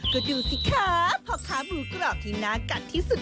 ก็ดูสิคะพ่อค้าหมูกรอบที่น่ากัดที่สุด